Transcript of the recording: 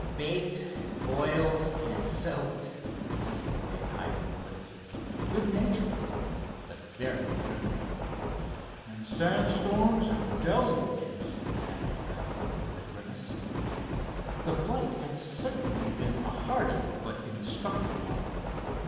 "Baked, boiled, and soaked," was the way Hiram put it, good naturedly, but very grimly. "And sandstorms and deluges," added Elmer, with a grimace. The flight had certainly been a hardy but instructive one.